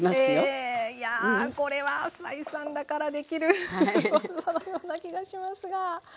えいやこれは斉さんだからできる技のような気がしますが。